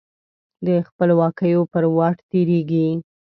د خپلواکیو پر واټ تیریږې